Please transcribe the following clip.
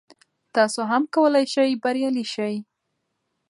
تاسو هم کولای شئ بریالي شئ.